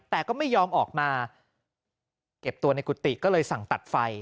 แต่ก็ไม่ยอมออกมาเก็บตัวในกุฏิก็เลยสั่งตัดไฟ